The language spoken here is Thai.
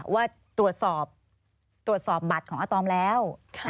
ว่าตรวจสอบตรวจสอบบัตรของอาตอมแล้ว